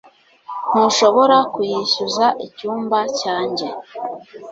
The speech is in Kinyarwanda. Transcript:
ntushobora kuyishyuza icyumba cyanjye